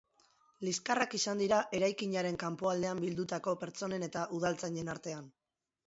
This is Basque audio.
Liskarrak izan dira eraikinaren kanpoaldean bildutako pertsonen eta udaltzainen artean.